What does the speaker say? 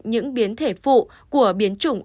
những biến thể phụ của biến chủng